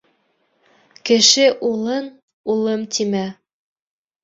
Кеше улын улым тимә.